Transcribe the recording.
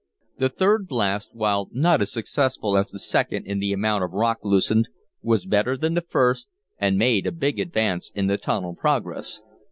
The third blast, while not as successful as the second in the amount of rock loosened, was better than the first, and made a big advance in the tunnel progress.